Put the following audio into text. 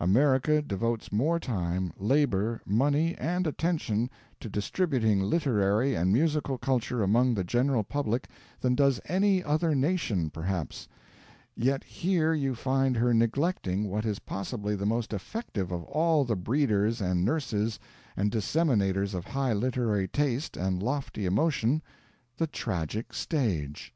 America devotes more time, labour, money and attention to distributing literary and musical culture among the general public than does any other nation, perhaps; yet here you find her neglecting what is possibly the most effective of all the breeders and nurses and disseminators of high literary taste and lofty emotion the tragic stage.